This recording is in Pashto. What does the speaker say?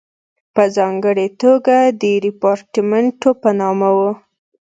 په ځانګړې توګه د ریپارټیمنټو په نامه وو.